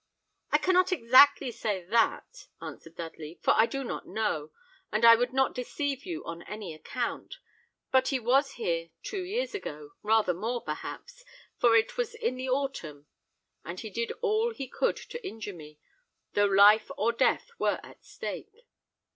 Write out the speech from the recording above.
"I cannot exactly say that," answered Dudley; "for I do not know, and I would not deceive you on any account; but he was here two years ago, rather more, perhaps, for it was in the autumn; and he did all he could to injure me, though life or death were at stake."